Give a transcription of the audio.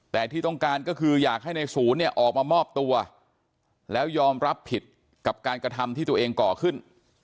แต่ที่ต้องการก็คืออยากให้ในศูนย์เนี่ยออกมามอบตัวแล้วยอมรับผิดกับการกระทำที่ตัวเองก่อขึ้น